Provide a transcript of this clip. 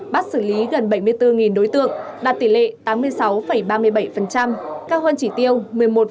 bắt xử lý gần bảy mươi bốn đối tượng đạt tỷ lệ tám mươi sáu ba mươi bảy cao hơn chỉ tiêu một mươi một ba mươi bảy